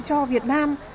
cho việt nam